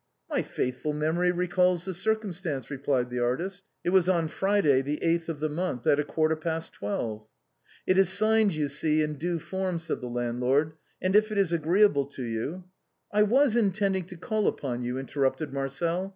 " My faithful memory recalls the circumstance," replied the artist. " It was on Friday, the eighth of the month, at a quarter past twelve." " It is signed, you see, in due form," said the landlord ;" and if it is agreeable to you "" I was intending to call upon you," interrupted Marcel.